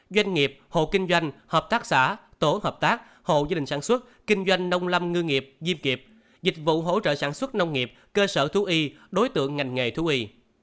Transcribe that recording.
doanh nghiệp hộ kinh doanh hợp tác xã tổ hợp tác hộ gia đình sản xuất kinh doanh nông lâm ngư nghiệp diêm kịp dịch vụ hỗ trợ sản xuất nông nghiệp cơ sở thú y đối tượng ngành nghề thú y